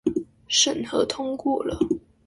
審核通過了